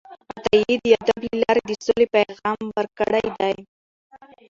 عطايي د ادب له لارې د سولې پیغام ورکړی دی